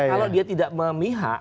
kalau dia tidak memihak